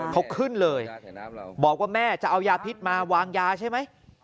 เขาขึ้นเลยบอกว่าแม่จะเอายาพิษมาวางยาใช่ไหม